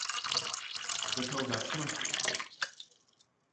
কোথাও যাচ্ছ নাকি?